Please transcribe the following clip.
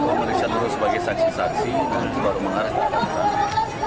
kita akan melihat terus sebagai saksi saksi dan baru mengharapkan